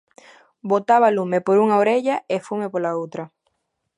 Botaba lume por unha orella e fume pola outra.